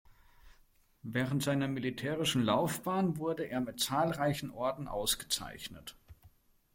Während seiner militärischen Laufbahn wurde er mit zahlreichen Orden ausgezeichnet.